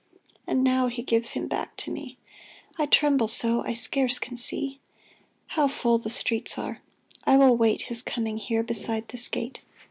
And now He gives him back to me ! I tremble so — I scarce can see. How full the streets are ! I will wait His coming here beside this gate.